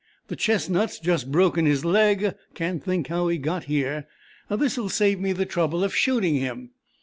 The chestnut's just broken his leg; can't think how he got here. This'll save me the trouble of shooting him."